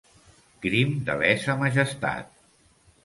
Crim de lesa majestat.